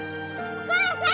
お母さん！